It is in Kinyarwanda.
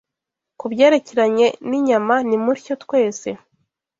Ku byerekeranye n’inyama, nimutyo twese